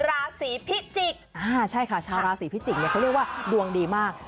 ชาวราศรีพิจิกใช่ค่ะชาวราศรีพิจิกเขาเรียกว่าดวงดีมาก